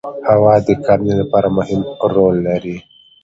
هوا د کرنې لپاره مهم رول لري